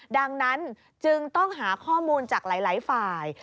ดังนั้นจึงต้องหาข้อมูลจากหลายฝ่าย